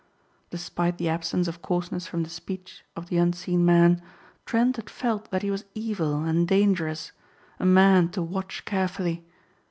Despite the absence of coarseness from the speech of the unseen man Trent had felt that he was evil and dangerous, a man to watch carefully.